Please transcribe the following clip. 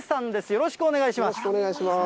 よろしくお願いします。